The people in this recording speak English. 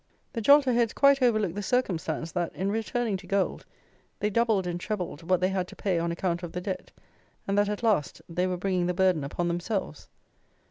The jolterheads quite overlooked the circumstance that, in returning to gold, they doubled and trebled what they had to pay on account of the debt, and that, at last, they were bringing the burden upon themselves.